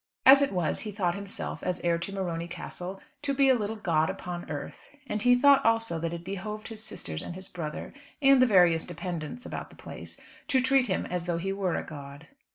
As it was he thought himself, as heir to Morony Castle, to be a little god upon earth; and he thought also that it behoved his sisters and his brother, and the various dependents about the place, to treat him as though he were a god.